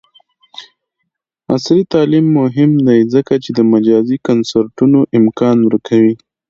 عصري تعلیم مهم دی ځکه چې د مجازی کنسرټونو امکان ورکوي.